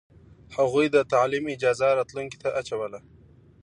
هغوی د تعلیم اجازه راتلونکې ته اچوله.